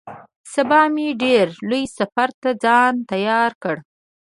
سبا مې ډېر لوی سفر ته ځان تيار کړ.